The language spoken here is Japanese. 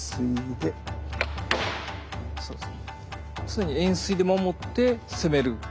常に円錐で守って攻める。